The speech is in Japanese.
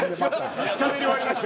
しゃべり終わりました。